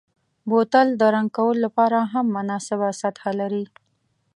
بوتل د رنګ کولو لپاره هم مناسبه سطحه لري.